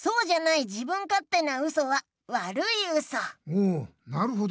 おおなるほど。